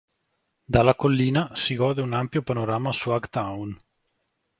Dalla collina si gode di un ampio panorama su Hugh Town.